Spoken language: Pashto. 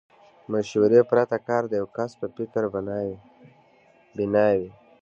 مشورې پرته کار د يوه کس په فکر بنا وي.